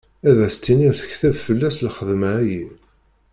Ad as-tiniḍ tekteb fell-as lxedma-ayi.